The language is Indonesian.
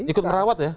ikut merawat ya